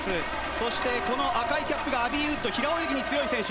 そして、この赤いキャップがアビー・ウッド、平泳ぎに強い選手。